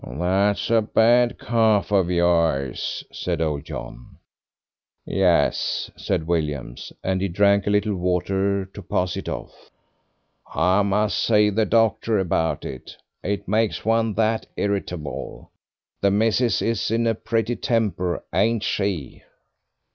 "That's a bad cough of yours," said old John. "Yes," said William, and he drank a little water to pass it off. "I must see the doctor about it. It makes one that irritable. The missis is in a pretty temper, ain't she?"